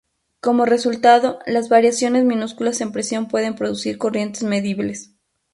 Como resultado, las variaciones minúsculas en presión pueden producir corrientes medibles.